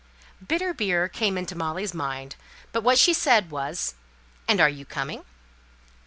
"Bitter beer" came into Molly's mind; but what she said was, "And are you coming?"